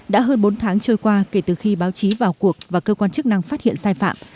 đã hơn bốn tháng trôi qua kể từ khi báo chí vào cuộc và cơ quan chức năng phát hiện sai phạm